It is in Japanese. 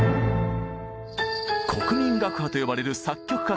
「国民楽派」と呼ばれる作曲家たち。